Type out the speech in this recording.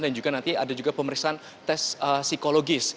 dan juga nanti ada juga pemeriksaan tes psikologis